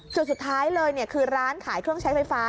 จุดสุดท้ายเลยคือร้านขายเครื่องใช้ไฟฟ้า